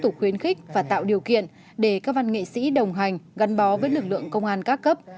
tục khuyến khích và tạo điều kiện để các văn nghệ sĩ đồng hành gắn bó với lực lượng công an các cấp